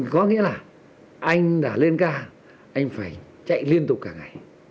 có nghĩa là anh đã lên ga anh phải chạy liên tục cả ngày